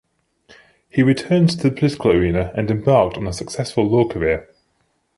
He returned to the political arena and embarked on a successful law career.